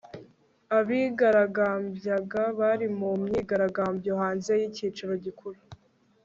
abigaragambyaga bari mu myigaragambyo hanze y'icyicaro gikuru